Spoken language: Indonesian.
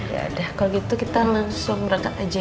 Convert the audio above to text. yaudah kalau gitu kita langsung berangkat aja ya